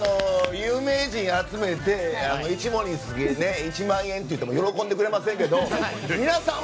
有名人集めて１問につき１万円といっても喜んでくれませんけど皆さんは。